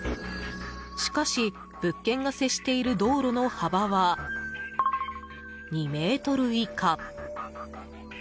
しかし、物件が接している道路の幅は２ｍ以下。